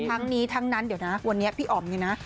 ทั้งนี้ทั้งนั้นเดี๋ยวนะวันนี้พี่อ๋อมนี่นะ